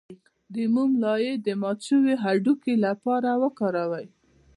د موم لایی د مات شوي هډوکي لپاره وکاروئ